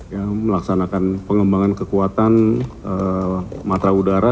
ya melaksanakan pengembangan kekuatan matra udara